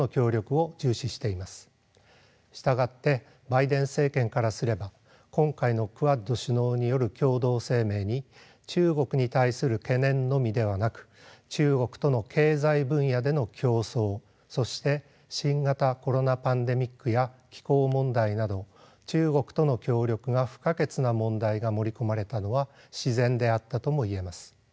従ってバイデン政権からすれば今回のクアッド首脳による共同声明に中国に対する懸念のみではなく中国との経済分野での競争そして新型コロナパンデミックや気候問題など中国との協力が不可欠な問題が盛り込まれたのは自然であったとも言えます。